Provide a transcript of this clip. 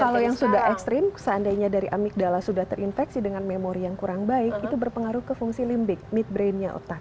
kalau yang sudah ekstrim seandainya dari amigdala sudah terinfeksi dengan memori yang kurang baik itu berpengaruh ke fungsi limbik midbrainnya otak